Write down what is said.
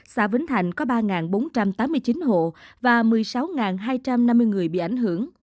xã vĩnh thành có ba bốn trăm tám mươi chín hộ và một mươi sáu hai trăm năm mươi người bị ảnh hưởng